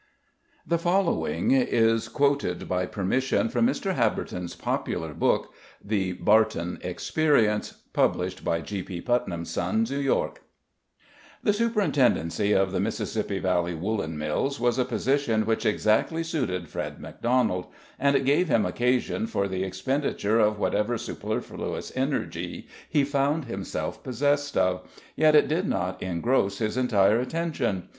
[The following is quoted, by permission, from Mr. Habberton's popular book, "THE BARTON EXPERIMENT," published by G.P. PUTNAM'S SONS, New York.] The superintendency of the Mississippi Valley Woolen Mills was a position which exactly suited Fred Macdonald, and it gave him occasion for the expenditure of whatever superfluous energy he found himself possessed of, yet it did not engross his entire attention.